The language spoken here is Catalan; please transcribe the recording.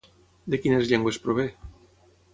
De quines llengües prové?